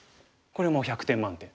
これもう１００点満点。